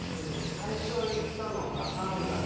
最初行ったのが３月。